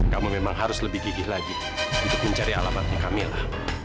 kamu memang harus lebih gigih lagi untuk mencari alamatnya camilla